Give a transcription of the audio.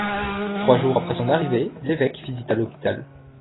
Trois jours après son arrivée, l’évêque visita l’hôpital.